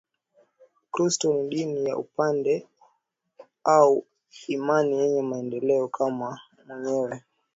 Ukristo ni dini ya upendo au imani yenye maendeleo kama mwenyewe